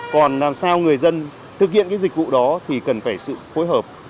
còn làm sao người dân thực hiện cái dịch vụ đó thì cần phải sự phối hợp